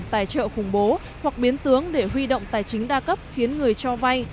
tài trợ khủng bố hoặc biến tướng để huy động tài chính đa cấp khiến người cho vay